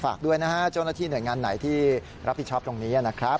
ฝากด้วยนะฮะโจนที่เหนื่อยงานไหนที่รับที่ชอบตรงนี้นะครับ